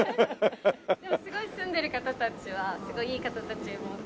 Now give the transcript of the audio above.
でもすごい住んでる方たちはいい方たちも多くて。